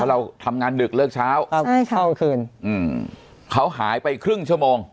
เราทำงานดึกเลิกเช้าครับใช่เข้าคืนอืมเขาหายไปครึ่งชั่วโมง